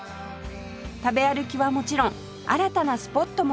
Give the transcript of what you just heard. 食べ歩きはもちろん新たなスポットも誕生